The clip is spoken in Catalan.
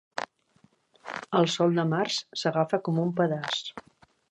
El sol de març s'agafa com un pedaç.